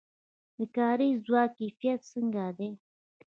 د کاري ځواک کیفیت څنګه دی؟